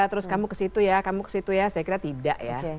terus kamu ke situ ya kamu ke situ ya saya kira tidak ya